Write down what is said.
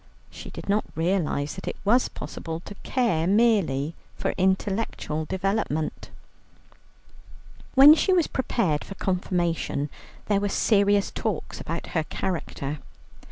She did not realize that it was possible to care merely for intellectual development. When she was prepared for Confirmation, there were serious talks about her character.